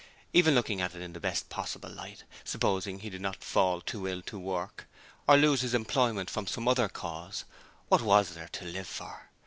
Even looking at it in the best possible light supposing he did not fall too ill to work, or lose his employment from some other cause what was there to live for?